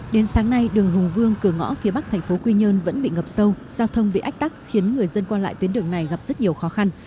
đến sáng nay đường hùng vương cửa ngõ phía bắc thành phố quy nhơn vẫn bị ngập sâu giao thông bị ách tắc khiến người dân qua lại tuyến đường này gặp rất nhiều khó khăn